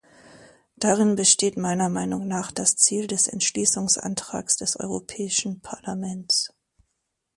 Darin besteht meiner Meinung nach das Ziel des Entschließungsantrags des Europäischen Parlaments.